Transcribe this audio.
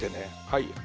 はい。